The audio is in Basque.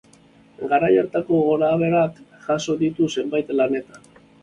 Garai hartako gorabeherak jaso ditu zenbait lanetan.